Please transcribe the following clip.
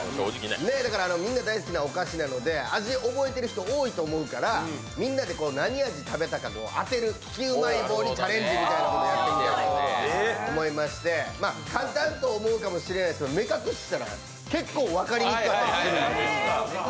みんな大好きなお菓子なので味覚えている人多いと思うからみんなで何味を食べたか当てる、利きうまい棒チャレンジをやってみたいなと思いまして簡単と思うかもしれないですけど目隠ししたら結構分かりにくい。